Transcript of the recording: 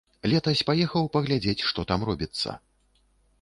Летась паехаў паглядзець, што там робіцца.